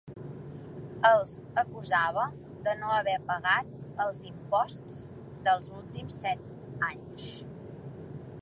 Els acusava de no haver pagat els imposts dels últims set anys.